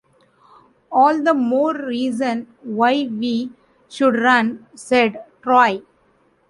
"All the more reason why we should run," said Troy.